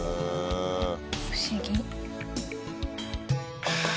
不思議。